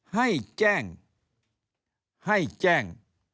ให้แจ้งให้แจ้ง